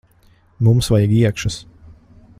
Mums vajag iekšas.